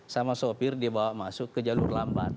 sama sopir dibawa masuk ke jalur lambat